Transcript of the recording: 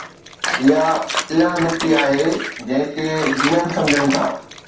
اها اُها مٽي آهي جنهن کي جنن سمجهن ٿا